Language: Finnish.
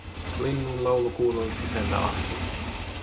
Linnunlaulu kuului sisälle asti